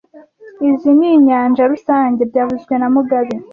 Izoi ni nyanja rusange byavuzwe na mugabe